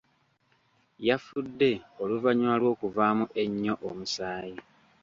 Yafudde oluvannyuma lw'okuvaamu ennyo omusaayi.